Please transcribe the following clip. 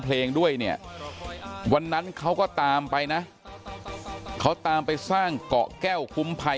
เพลงด้วยเนี่ยวันนั้นเขาก็ตามไปนะเขาตามไปสร้างเกาะแก้วคุ้มภัย